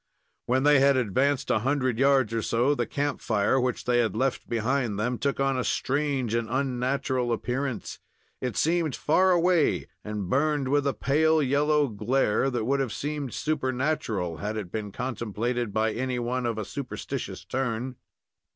When they had advanced a hundred yards or so, the camp fire which they had left behind them took on a strange and unnatural appearance. It seemed far away and burned with a pale yellow glare that would have seemed supernatural, had it been contemplated by any one of a superstitious turn.